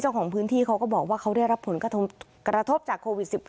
ของพื้นที่เขาก็บอกว่าเขาได้รับผลกระทบจากโควิด๑๙